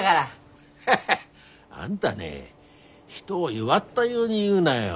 ハハあんだね人を弱ったように言うなよ。